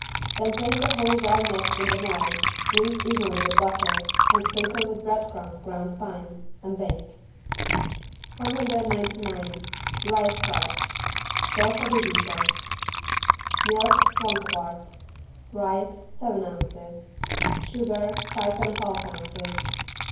Then place the whole well mixed in little molds, greased evenly with butter and sprinkled with bread crumbs ground fine, and bake. 199 RICE TART (Torta di riso) Milk, one quart. Rice, seven ounces. Sugar, five and a half ounces.